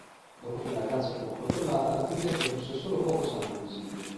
Dopo che la ragazza fu accoltellata, la ferita produsse solo poco sangue visibile.